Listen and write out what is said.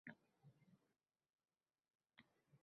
Kuylashdan tinmadi, aslo tinmadi.